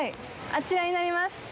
あちらになります。